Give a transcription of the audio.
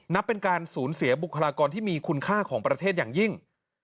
นับเป็นการสูญเสียบุคลากรที่มีคุณค่าของประเทศอย่างยิ่ง